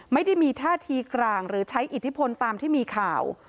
ไม่ได้มีท่าทีกลางหรือใช้อิทธิพลตามที่มีข่าว